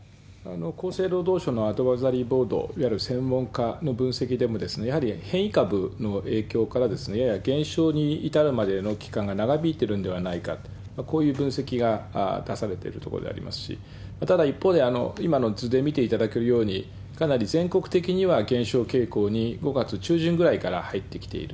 厚生労働省のアドバイザリーボード、いわゆる専門家の分析でも、やはり変異株の影響から、やや減少に至るまでの期間が長引いてるんではないかと、こういう分析が出されているところでありますし、ただ一方で、今の図で見ていただけるように、かなり全国的には減少傾向に、５月中旬ぐらいから入ってきている。